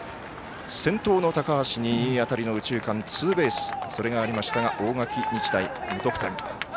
先頭の高橋にいい当たりの右中間ツーベースがありましたが大垣日大、無得点。